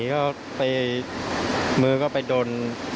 เค้าไปมือก็ไปดน